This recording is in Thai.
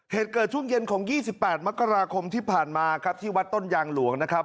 เหตุเกิดช่วงเย็นของ๒๘มกราคมที่ผ่านมาครับที่วัดต้นยางหลวงนะครับ